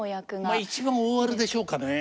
まあ一番大ワルでしょうかね。